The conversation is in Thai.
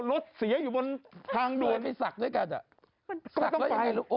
รถเสียอยู่บนทางนู่นไปศักดิ์ด้วยกันอะสักแล้วยังไงรู้โอ้